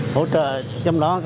hỗ trợ trong đó có